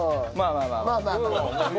まあまあまあまあ。